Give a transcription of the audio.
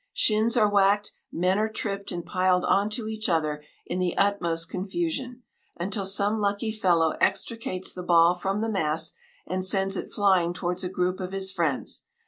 Shins are whacked, men are tripped and piled onto each other in the utmost confusion, until some lucky fellow extricates the ball from the mass, and sends it flying towards a group of his friends.